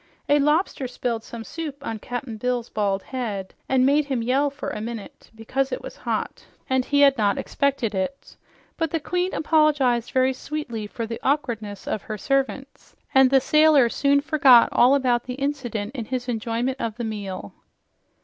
A lobster spilled some soup on Cap'n Bill's bald head and made him yell for a minute, because it was hot and he had not expected it, but the queen apologized very sweetly for the awkwardness of her servants, and the sailor soon forgot all about the incident in his enjoyment of the meal.